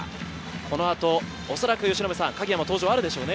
このあとおそらく鍵谷も登場、あるでしょうね。